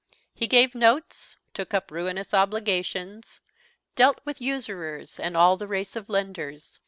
He gave notes, took up ruinous obligations, dealt with usurers, and all the race of lenders.